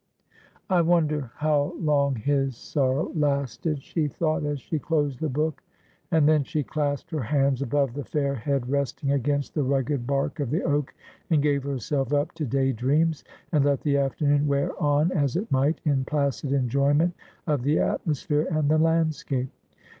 ' I wonder how long his sorrow lasted,' she thought, as she closed the book ; and then she clasped her hands above the fair head resting against the rugged bark of the oak, and gave herself up to day dreams, and let the afternoon wear on as it might, in placid enjoyment of the atmosphere and the landscape.